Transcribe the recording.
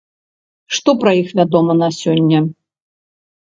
Што пра іх вядома на сёння?